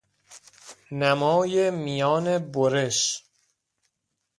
نمای میان برش